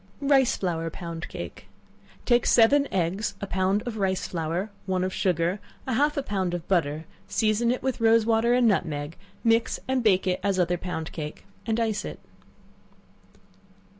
Rice Flour Pound Cake. Take seven eggs, a pound of rice flour, one of sugar, and half a pound of butter; season it with rose water and nutmeg; mix and bake it as other pound cake, and ice it.